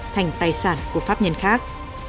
thành tài sản của pháp nhân khác